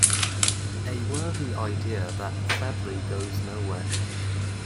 A worthy idea that sadly goes nowhere.